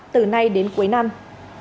từ nay đến cuối năm